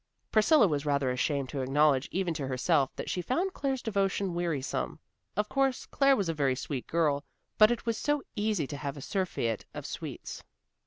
Priscilla was rather ashamed to acknowledge even to herself that she found Claire's devotion wearisome. Of course, Claire was a very sweet girl, but it was so easy to have a surfeit of sweets.